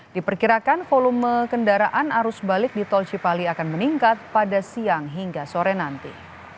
diperkirakan volume kendaraan arus balik di tol cipali akan meningkat pada siang hingga sore nanti